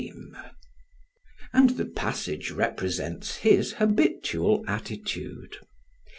Myers.] and the passage represents his habitual attitude.